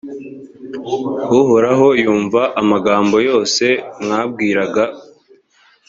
uhoraho yumva amagambo yose mwambwiraga;